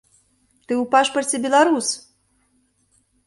Ты ў пашпарце беларус!